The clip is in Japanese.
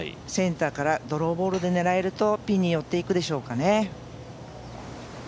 センターからドローボールで狙えると、ピンに寄っていくでしょうかね。